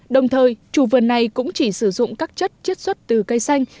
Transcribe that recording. đồng thời chủ vườn này cũng chỉ sử dụng các chất chiết xuất từ cây xanh